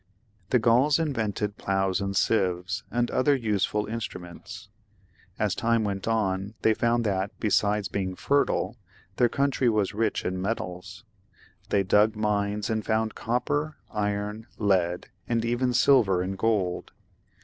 The Gauls invented ploughs and sieves, and other useful instruments. As time went on, they found that besides being fertile, their country was rich in metals; they dug mines and found copper, iron, lead, and even silver and gold.